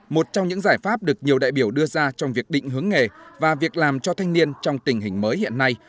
một trong những giải pháp được nhiều đại biểu đưa ra trong việc định hướng nghề và việc làm cho thanh niên trong tình hình mới hiện nay